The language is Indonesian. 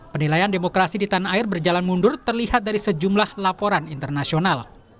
penilaian demokrasi di tanah air berjalan mundur terlihat dari sejumlah laporan internasional